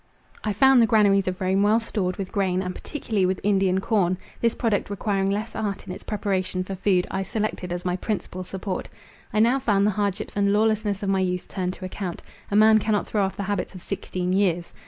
I found the granaries of Rome well stored with grain, and particularly with Indian corn; this product requiring less art in its preparation for food, I selected as my principal support. I now found the hardships and lawlessness of my youth turn to account. A man cannot throw off the habits of sixteen years.